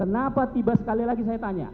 kenapa tiba sekali lagi saya tanya